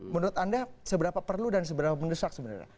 menurut anda seberapa perlu dan seberapa mendesak sebenarnya